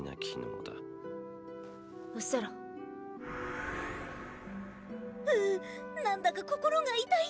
うなんだか心が痛いぜ。